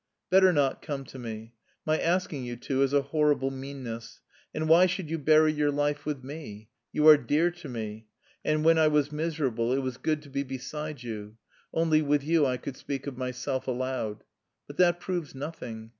"Better not come to me. My asking you to is a horrible meanness. And why should you bury your life with me? You are dear to me, and when I was miserable it was good to be beside you; only with you I could speak of myself aloud. But that proves nothing.